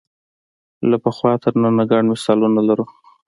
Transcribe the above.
له پخوا تر ننه ګڼ مثالونه لرو